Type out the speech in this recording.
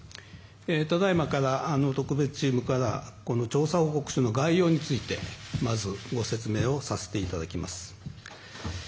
ただいまから特別チームからこの調査報告書の概要についてまずご説明をさせていただきます。